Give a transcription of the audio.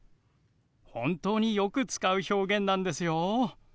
本当によく使う表現なんですよ。